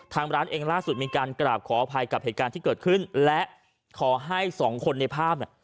ทางร้านเองล่าสุดมีการกราบขออภัยกับเหตุการณ์ที่เกิดขึ้นและขอให้สองคนในภาพเนี่ย